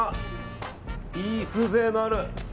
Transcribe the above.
いい風情のある。